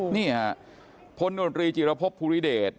นี่ค่ะพลจิรภพภูริเดช